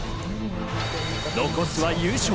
残すは優勝。